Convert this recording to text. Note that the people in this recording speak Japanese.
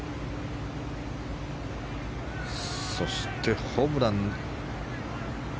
そしてホブラン。